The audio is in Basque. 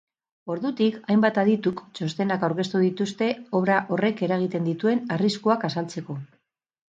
Ordutik, hainbat adituk txostenak aurkeztu dituzte obra horrek eragiten dituen arriskuak azaltzeko.